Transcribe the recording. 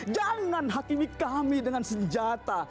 jangan hakimi kami dengan senjata